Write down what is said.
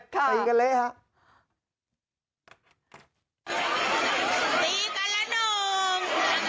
กายกันเลยครับ